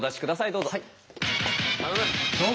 どうぞ。